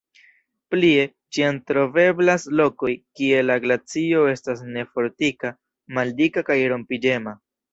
Plie, ĉiam troveblas lokoj, kie la glacio estas nefortika, maldika kaj rompiĝema.